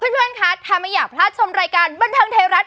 เพื่อนคะถ้าไม่อยากพลาดชมรายการบันเทิงไทยรัฐ